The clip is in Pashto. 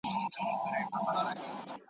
مار خوړلی، د رسۍ څخه بېرېږي.